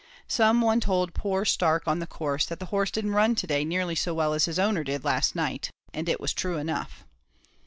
Some one told poor Stark on the course that the horse didn't run to day nearly so well as his owner did last night; and it was true enough.